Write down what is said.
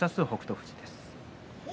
富士です。